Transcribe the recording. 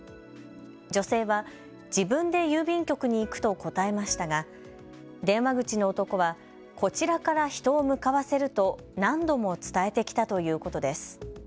女性は自分で郵便局に行くと答えましたが、電話口の男はこちらから人を向かわせると何度も伝えてきたということです。